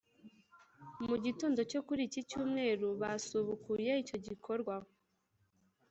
Mu gitondo cyo kuri iki cyumweru basubukuye icyo gikorwa